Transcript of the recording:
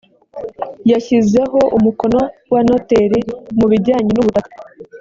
yashyizeho umukono wa noteri mu bijyanye n ‘ubutaka